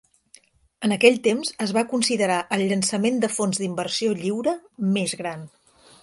En aquell temps, es va considerar el llançament de fons d'inversió lliure més gran.